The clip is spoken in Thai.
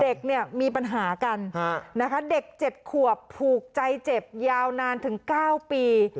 เด็กเนี่ยมีปัญหากันนะคะเด็ก๗ขวบผูกใจเจ็บยาวนานถึง๙ปี